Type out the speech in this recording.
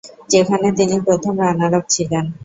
যেখানে তিনি প্রথম রানার আপ ছিলেন।